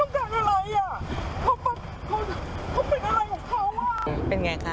เขาต้องการอะไรอ่ะเขาเป็นอะไรของเขาอ่ะ